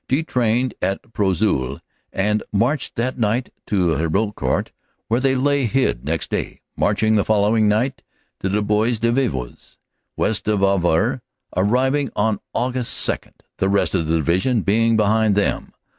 detrained at Prouzel and marched that night to Hebecourt, where they lay hid next day, marching the following night to the Bois de Boves, west of the Avre, arriving on Aug. 2, the rest of the division being behind them.